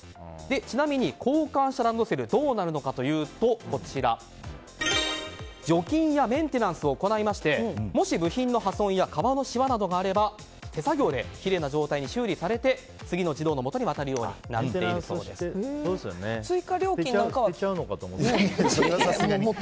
ちなみに交換したランドセルはどうなるかというと除菌やメンテンスを行いましてもし部品の破損や革のしわなどがあれば手作業で修理されて次の児童のもとに渡るように捨てちゃうのかなって思った。